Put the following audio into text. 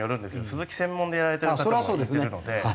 スズキ専門でやられてる方もいるので。